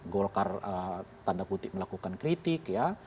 golkar tanda kutip melakukan kritik ya